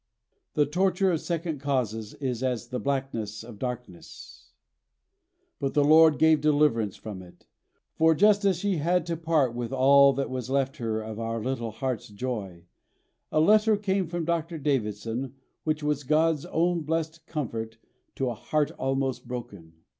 The torture of second causes is as the blackness of darkness, but the Lord gave deliverance from it; for just as she had to part with all that was left her of our little Heart's Joy, a letter came from Dr. Davidson which was God's own blessed comfort to a heart almost broken.